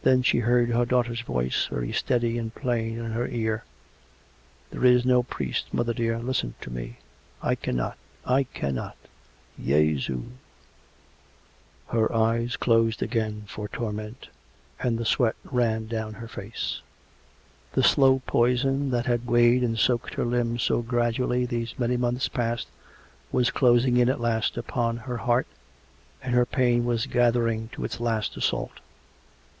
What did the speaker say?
Then she heard her daughter's voice, very steady and plain, in her ear. " There is no priest, mother dear. Listen to me." " I cannot ! I cannot !... Jesu !" COME RACK! COME ROPE! 189 Her eyes closed again for torment, and the sweat ran down her face. The slow poison that had weighted and soaked her limbs so gradually these many months past, was closing in at last upon her heart, and her pain was gathering to its last assault.